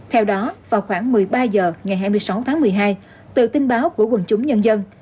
theo đó vào khoảng một mươi ba h ngày hai mươi sáu tháng một mươi hai từ tin báo của quần chúng nhân dân